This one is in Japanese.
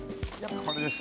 これです。